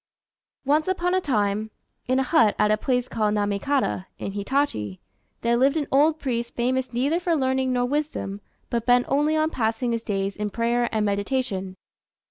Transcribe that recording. Once upon a time, in a hut at a place called Namékata, in Hitachi, there lived an old priest famous neither for learning nor wisdom, but bent only on passing his days in prayer and meditation.